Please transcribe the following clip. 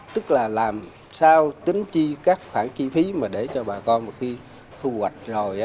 tức là làm sao tính chi các khoản chi phí mà để cho bà con khi thu hoạch rồi